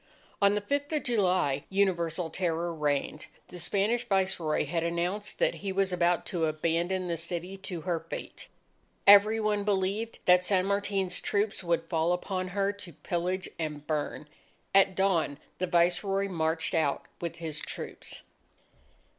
On the Fifth of July, universal terror reigned. The Spanish Viceroy had announced that he was about to abandon the city to her fate. Every one believed that San Martin's troops would fall upon her to pillage and burn. At dawn the Viceroy marched out with his troops.